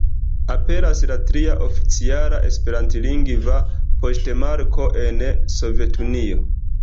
Aperas la tria oficiala esperantlingva poŝtmarko en Sovetunio.